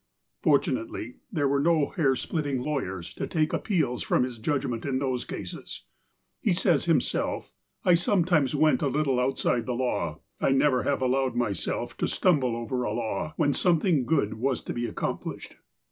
Fortunately, there were no hair splitting lawyers to take appeals from his judgment in those cases. He says himself :'' I sometimes went a little outside the law. I never have allowed myself to stumble over a law, when some thing good was to be accomplished."